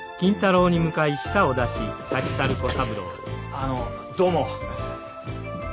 あのどうも。